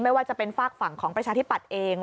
ไม่ว่าจะเป็นฝากฝั่งของประชาธิปัตย์เอง